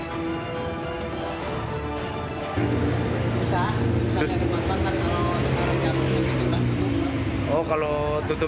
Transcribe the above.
bisa susah dari papan papan kalau jam sembilan tutup